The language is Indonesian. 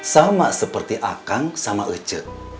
sama seperti akang sama oce